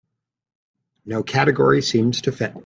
No category seems to fit.